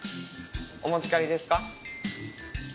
お持ち帰りですか？